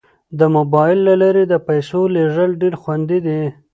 د موبایل له لارې د پيسو لیږل ډیر خوندي دي.